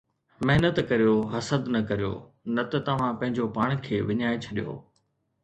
محنت ڪريو، حسد نه ڪريو، نه ته توهان پنهنجو پاڻ کي وڃائي ڇڏيو